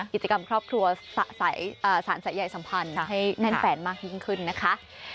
กิจกรรมครอบครัวสารสายใยสัมพันธ์ให้แน่นแฟนมากยิ่งขึ้นนะคะ